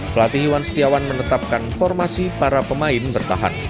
pelatih iwan setiawan menetapkan formasi para pemain bertahan